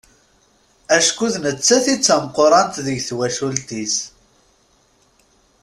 Acku d nettat i d tameqqrant deg twacult-is.